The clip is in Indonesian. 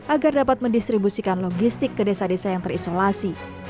agar dapat mendistribusikan logistik ke desa desa yang terisolasi